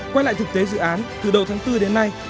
quay lại thực tế dự án từ đầu tháng bốn đến nay